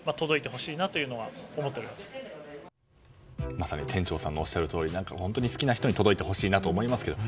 まさに店長さんのおっしゃるとおり本当に好きな人に届いてほしいなと思いますけど。